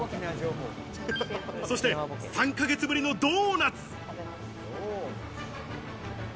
そして３ヶ月ぶりのドーナツ。